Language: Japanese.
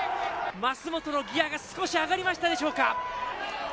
舛本のギアが少し上がりましたでしょうか。